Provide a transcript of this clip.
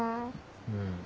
うん。